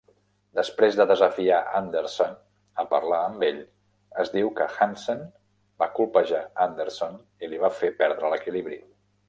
Després de desafiar Anderson a parlar amb ell, es diu que Hansen va colpejar Anderson i li va fer perdre l'equilibri.